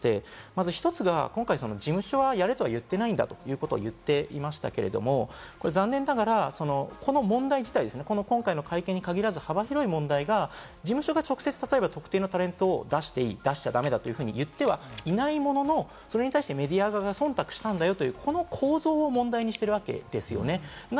その上で大きく２つあると思っていて、今回１つは、事務所がやれとは言ってないんだと言ってましたけれども、残念ながらこの問題自体、今回の会見に限らず、幅広い問題が事務所が直接特定のタレントを出していい、出しちゃ駄目だと言ってはいないものの、それに対してメディア側が忖度したんだよという、この構造を問題にしてるわけです。